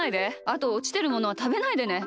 あとおちてるものはたべないでね。